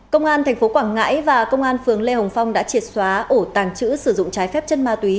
công an tp quảng ngãi và công an phường lê hồng phong đã triệt xóa ổ tàng trữ sử dụng trái phép chất ma túy